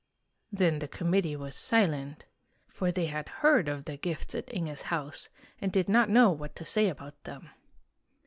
" Then the committee was silent, for they had heard of the gifts at Inge's house, and did not know what to say about them.